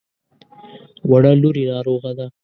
وړه لور يې ناروغه ده.